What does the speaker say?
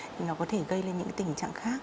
thì nó có thể gây lên những tình trạng khác